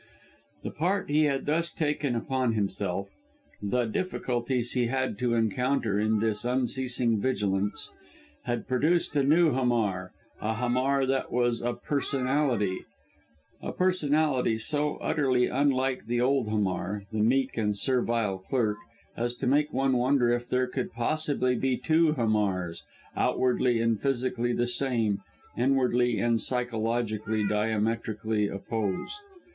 The part he had thus taken upon himself, the difficulties he had to encounter in this unceasing vigilance, had produced a new Hamar a Hamar that was a personality; a personality so utterly unlike the old Hamar the meek and servile clerk as to make one wonder if there could possibly be two Hamars outwardly and physically the same inwardly and psychologically diametrically opposed.